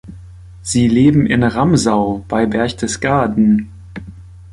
Sie leben in Ramsau bei Berchtesgaden.